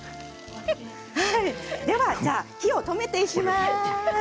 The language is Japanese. では火を止めてしまいます。